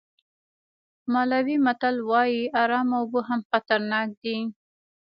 مالاوي متل وایي ارامه اوبه هم خطرناک دي.